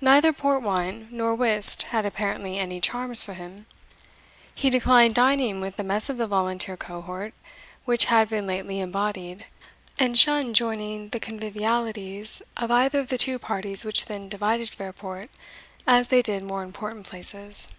Neither port wine nor whist had apparently any charms for him. He declined dining with the mess of the volunteer cohort which had been lately embodied, and shunned joining the convivialities of either of the two parties which then divided Fairport, as they did more important places.